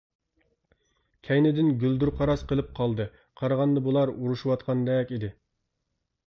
كەينىدىن گۈلدۈر-قاراس قىلىپ قالدى، قارىغاندا بۇلار ئۇرۇشۇۋاتقاندەك ئىدى.